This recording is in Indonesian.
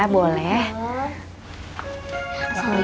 boleh nung salah